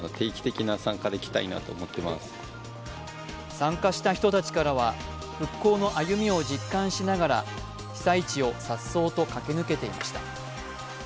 参加した人たちからは、復興の歩みを実感しながら被災地をさっそうと駆け抜けていました。